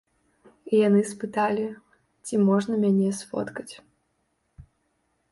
Яны спыталі, ці можна мяне сфоткаць.